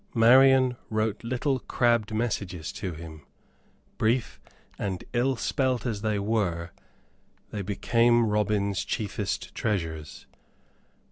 Marian wrote little crabbed messages to him. Brief and ill spelt as they were, they became Robin's chiefest treasures.